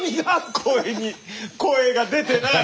声に声が出てない！